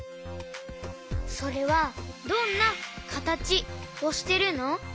それはどんなかたちをしてるの？